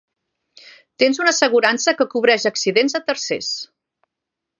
Tens una assegurança que cobreix accidents a tercers.